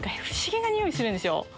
不思議なニオイするんですよ。